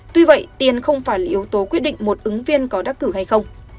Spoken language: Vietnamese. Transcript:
tuy vậy tiền không phải là yếu tố quyết định một ứng viên có đắc cử hay không